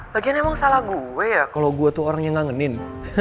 latihan emang salah gue ya kalau gue tuh orang yang ngangenin